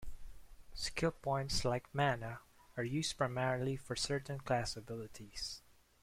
Skill points, like mana, are used primarily for certain class abilities.